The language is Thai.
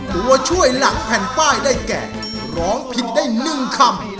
ตัวช่วยหลังแผ่นป้ายได้แก่ร้องผิดได้๑คำ